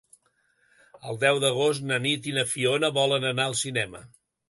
El deu d'agost na Nit i na Fiona volen anar al cinema.